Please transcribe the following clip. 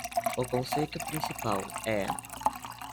O conceito principal é